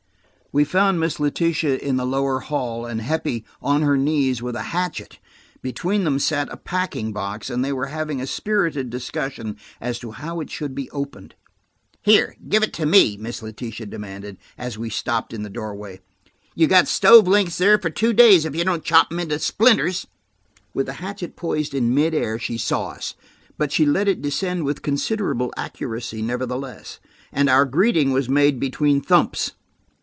We found Miss Letitia in the lower hall, and Heppie on her knees with a hatchet. Between them sat a packing box, and they were having a spirited discussion as to how it should be opened. "Here, give it to me," Miss Letitia demanded, as we stopped in the doorway. "You've got stove lengths there for two days if you don't chop 'em up into splinters." With the hatchet poised in mid air she saw us, but she let it descend with considerable accuracy nevertheless, and our greeting was made between thumps.